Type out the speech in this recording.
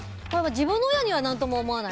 自分の親には何とも思わない。